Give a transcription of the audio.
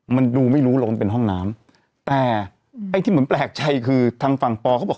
มันดูไม่รู้หรอกว่ามันเป็นห้องน้ำแต่ไอ้ที่เหมือนแปลกใจคือทางฝั่งปอเขาบอก